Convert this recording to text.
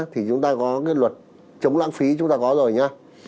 thì chúng ta có cái luật chống lãng phí chúng ta có rồi nhé